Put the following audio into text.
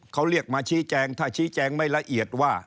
เขาเรียกมาชี้แจงถ้าชี้แจงไม่ละเอียดว่า